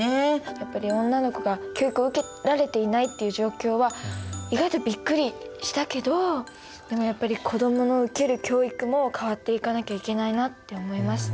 やっぱり女の子が教育を受けられていないっていう状況は意外とびっくりしたけどでもやっぱり子どもの受ける教育も変わっていかなきゃいけないなって思いますね。